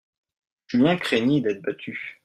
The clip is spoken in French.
Julien craignit d'être battu.